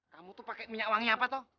kamu itu pakai minyak wangi apa toh